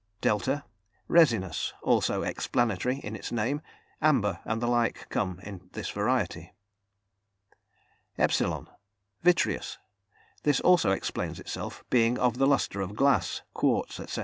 ([delta]) Resinous, also explanatory in its name; amber and the like come in this variety. ([epsilon]) Vitreous. This also explains itself, being of the lustre of glass, quartz, etc.